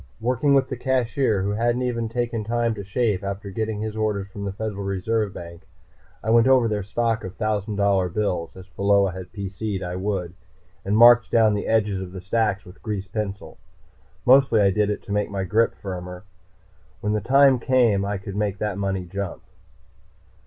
Working with the cashier, who hadn't even taken time to shave after getting his orders from the Federal Reserve Bank, I went over their stock of thousand dollar bills, as Pheola had PC'd I would, and marked down the edges of the stacks with grease pencil. Mostly I did it to make my grip firmer. When the time came, I could make that money jump.